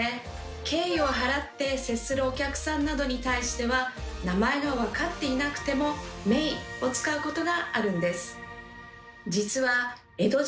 敬意を払って接するお客さんなどに対しては名前が分かっていなくても「名」を使うことがあるんです。